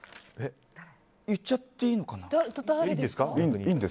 言っちゃっていいのかな。